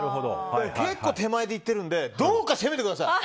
結構、手前でいっているのでどうか攻めてください。